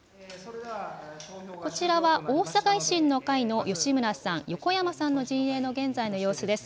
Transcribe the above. こちらは大阪維新の会の吉村さん、横山さんの陣営の現在の様子です。